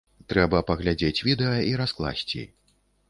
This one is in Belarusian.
Трэба паглядзець відэа і раскласці.